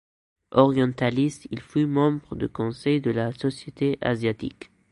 Orientaliste, il fut membre du conseil de la Société Asiatique.